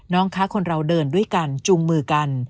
คะคนเราเดินด้วยกันจูงมือกัน